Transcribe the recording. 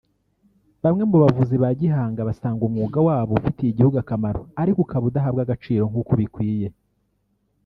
Bamwe mu bavuzi ba gihanga basanga umwuga wabo ufitiye igihugu akamaro ariko ukaba udahabwa agaciro nk’uko bikwiye